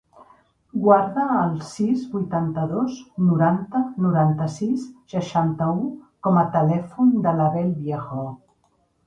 Guarda el sis, vuitanta-dos, noranta, noranta-sis, seixanta-u com a telèfon de l'Abel Viejo.